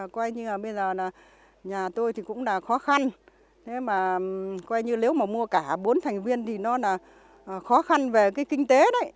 qua như bây giờ nhà tôi cũng khó khăn nếu mà mua cả bốn thành viên thì nó khó khăn về kinh tế đấy